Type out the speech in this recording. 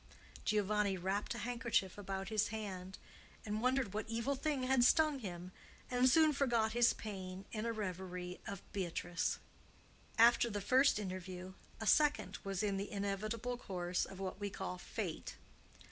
Giovanni wrapped a handkerchief about his hand and wondered what evil thing had stung him, and soon forgot his pain in a reverie of Beatrice. After the first interview, a second was in the inevitable course of what we call fate.